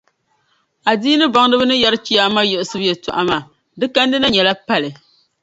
Adiini baŋdiba ni yɛri chiyaama yiɣisibu yɛltɔɣa maa, di kandi na nyɛla pali.